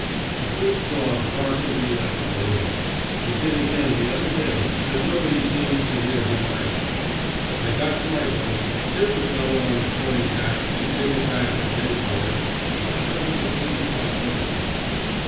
"The big dog barked at me like blazes he did again the other day but nobody seemed to hear him either. I got to my boat, tipped a fellow on the towing path to take it back and pay for it why haven't the police got hold of him?